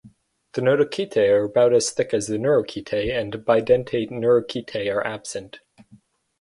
The notochaetae are about as thick as the neurochaetae and bidentate neurochaetae are absent.